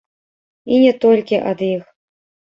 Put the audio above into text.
І не толькі ад іх.